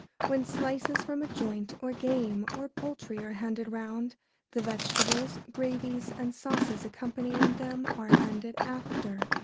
] When slices from a joint, or game, or poultry are handed round, the vegetables, gravies, and sauces accompanying them are handed after.